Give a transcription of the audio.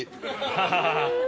ハハハハ。